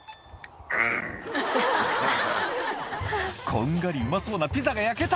「こんがりうまそうなピザが焼けた」